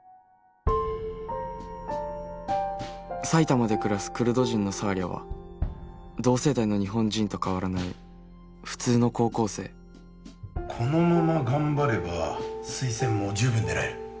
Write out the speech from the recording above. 埼玉で暮らすクルド人のサーリャは同世代の日本人と変わらない普通の高校生このまま頑張れば推薦も十分狙える。